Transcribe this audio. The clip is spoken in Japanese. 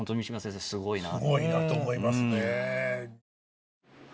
すごいなと思いますね。